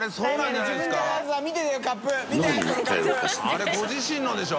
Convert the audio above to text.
あれご自身のでしょ。